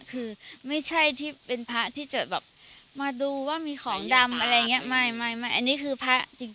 คือไม่ใช่ที่เป็นพระที่จะแบบมาดูว่ามีของดำอะไรอย่างนี้ไม่ไม่อันนี้คือพระจริง